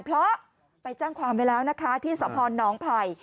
เพราะไปแจ้งความไว้แล้วนะคะที่สพนไผ่